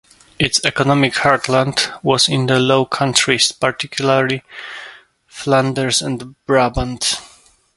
Its economic heartland was in the Low Countries, particularly Flanders and Brabant.